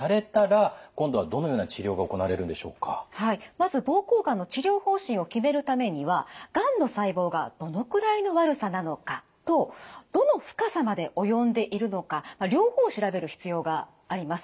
まず膀胱がんの治療方針を決めるためにはがんの細胞がどのくらいの悪さなのかとどの深さまで及んでいるのか両方を調べる必要があります。